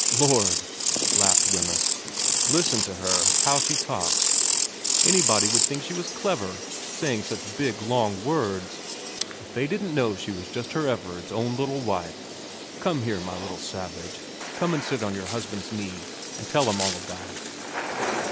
' Lord,' laughed Wemyss, ' listen to her how she talks. Anybody might think she was clever, saying such big long words, if they didn't know she was just her Everard's own little wife. Come here, my little savage come and sit on your husband's knee and tell him all about it.'